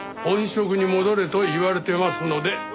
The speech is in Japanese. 本職に戻れと言われてますので。